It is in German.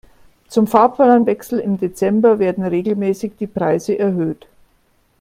Zum Fahrplanwechsel im Dezember werden regelmäßig die Preise erhöht.